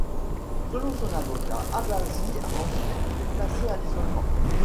Selon son avocat, Abazi a ensuite été placé à l'isolement.